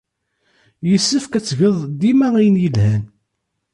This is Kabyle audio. Yessefk ad tgeḍ dima ayen yelhan.